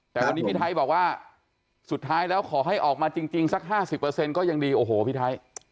แต่วันนี้พี่ไทยบอกว่าสุดท้ายแล้วขอให้ออกมาจริงสัก๕๐ก็ยังดีโอ้โหพี่ไทย